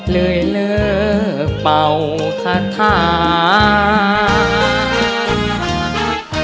เลยเลิกเป่าคาถา